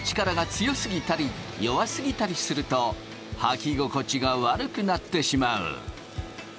強すぎたり弱すぎたりすると履き心地が悪くなってしまう。